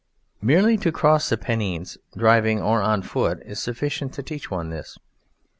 Merely to cross the Pennines, driving or on foot, is sufficient to teach one this.